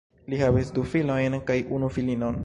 Li havis du filojn kaj unu filinon.